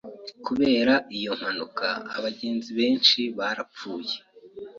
Kubera iyo mpanuka, abagenzi benshi barapfuye.